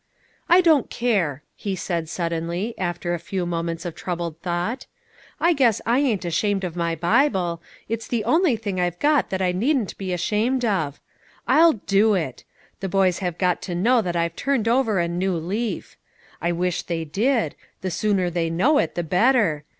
"I don't care," he said suddenly, after a few moments of troubled thought. "I guess I ain't ashamed of my Bible, it's the only thing I've got that I needn't be ashamed of. I'll do it. The boys have got to know that I've turned over a new leaf. I wish they did; the sooner they know it the better.